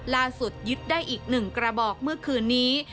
ยึดได้อีก๑กระบอกเมื่อคืนนี้